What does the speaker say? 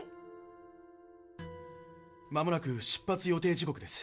まもなく出発予定時刻です。